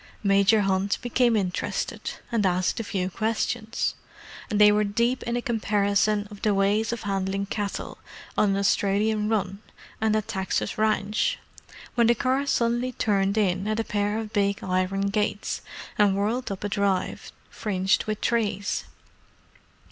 Major Hunt became interested, and asked a few questions; and they were deep in a comparison of the ways of handling cattle on an Australian run and a Texan ranch, when the car suddenly turned in at a pair of big iron gates and whirled up a drive fringed with trees.